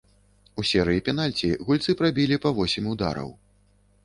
У серыі пенальці гульцы прабілі па восем удараў.